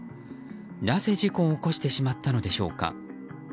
なぜ、事故を起こしてしまったのでしょうか。